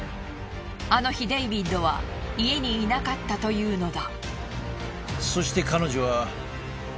あの日デイビッドは家にいなかったというのだ。